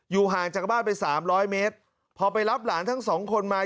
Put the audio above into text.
อยู่ห่างจากบ้านไป๓๐๐เมตรพอไปรับหลานทั้ง๒คนมา